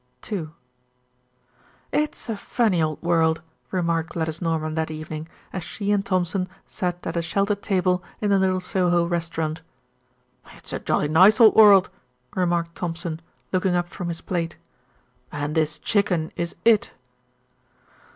II "It's a funny old world," remarked Gladys Norman that evening, as she and Thompson sat at a sheltered table in a little Soho restaurant. "It's a jolly nice old world," remarked Thompson, looking up from his plate, "and this chicken is it."